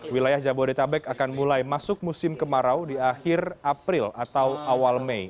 wilayah jabodetabek akan mulai masuk musim kemarau di akhir april atau awal mei